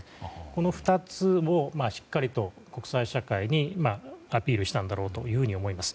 この２つをしっかりと国際社会にアピールしたんだろうと思います。